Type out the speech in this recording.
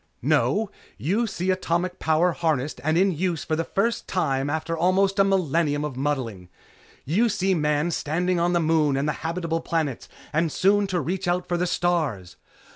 "No! You see atomic power harnessed and in use for the first time after almost a millenium of muddling. You see Man standing on the Moon and the habitable planets and soon to reach out for the stars!